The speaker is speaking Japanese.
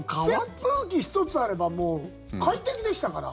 扇風機１つあればもう快適でしたから。